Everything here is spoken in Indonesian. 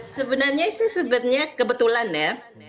sebenarnya sih sebenarnya kebetulan ya